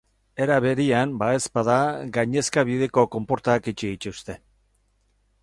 Era berean, badaezpada gainezkabideko konportak itxi dituzte.